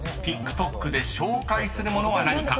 ［ＴｉｋＴｏｋで紹介する物は何か？］